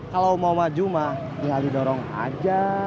kalau mau maju mah tinggal didorong aja